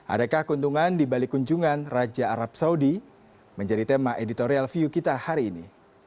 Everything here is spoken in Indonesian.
adakah keuntungan dibalik kunjungan raja arab saudi menjadi tema editorial view kita hari ini